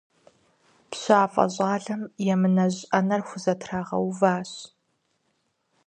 ПщафӀэ щӀалэм емынэжь Ӏэнэр хузэтригъэуващ.